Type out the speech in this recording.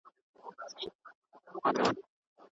دوی د ناروغانو د ښېګڼې هڅه کوي.